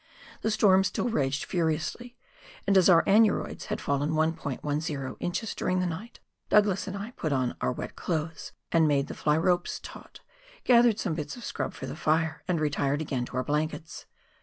The storm still raged furiously, and as our aneroids had fallen 1*10 inches during the night, Douglas and I put on our wet clothes, made the fly ropes taut, gathered some bits of scrub for the fire and retired again to our blankets.